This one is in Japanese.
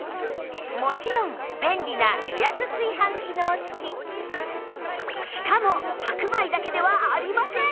もちろん便利なしかも白米だけではありません！